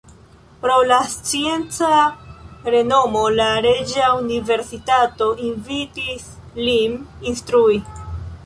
Pro la scienca renomo la Reĝa Universitato invitis lin instrui.